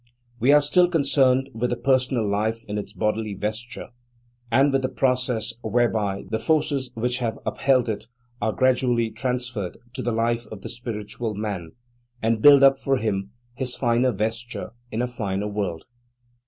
We are still concerned with the personal life in its bodily vesture, and with the process whereby the forces which have upheld it are gradually transferred to the life of the spiritual man, and build up for him his finer vesture in a finer world.